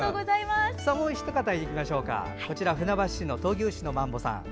もう一方船橋市の闘牛士のマンボさん。